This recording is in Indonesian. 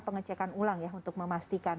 pengecekan ulang ya untuk memastikan